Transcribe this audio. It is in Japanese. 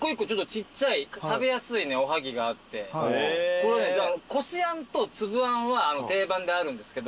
これねこしあんと粒あんは定番であるんですけど